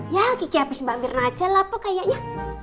ya gigi habis mbak mirna aja lah bu kayaknya